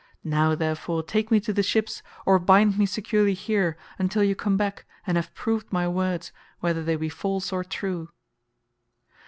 Now, therefore, take me to the ships or bind me securely here, until you come back and have proved my words whether they be false or true."